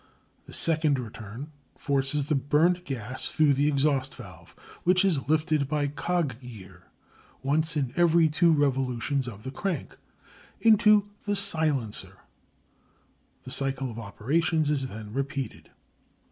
The second return forces the burnt gas through the exhaust valve, which is lifted by cog gear once in every two revolutions of the crank, into the "silencer." The cycle of operations is then repeated.